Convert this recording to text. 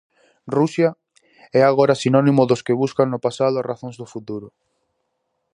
Rusia é agora sinónimo dos que buscan no pasado as razóns do futuro.